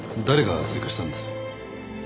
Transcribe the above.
誰が追加したんです？